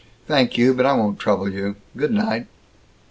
"Thank you, but I won't trouble you. Good night."